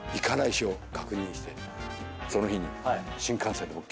その日に。